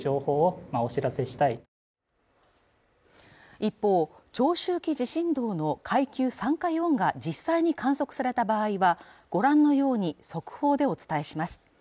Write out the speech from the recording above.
一方長周期地震動の階級３か４が実際に観測された場合はご覧のように速報でお伝えします